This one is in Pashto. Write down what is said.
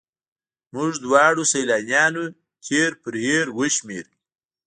موږ دواړو سیلانیانو تېر پر هېر وشمېره.